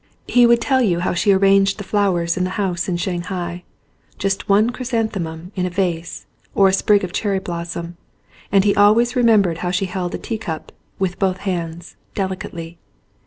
He would tell you how she arranged the flowers in the house in Shanghai, just one chrysanthemum in a vase or a sprig of cherry blossom; and he always re membered how she held a tea cup, with both hands, delicately.